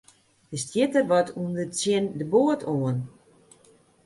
Der stjitte wat ûnder tsjin de boat oan.